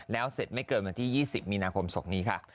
แล้วเสร็จไม่เกินวันที่๒๐มีนาคมศพนี้ค่ะ